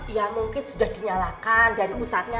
ya mungkin sudah dinyalakan dari pusatnya